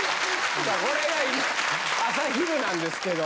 これが朝昼なんですけど。